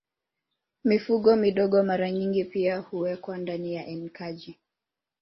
Mifugo midogo mara nyingi pia huwekwa ndani ya enkaji